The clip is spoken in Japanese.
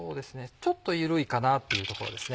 ちょっと緩いかなというところですね。